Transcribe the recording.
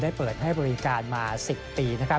ได้เปิดให้บริการมา๑๐ปี